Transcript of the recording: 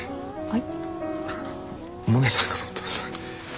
はい。